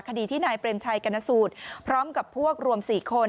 คดีที่นายเปรมชัยกรณสูตรพร้อมกับพวกรวม๔คน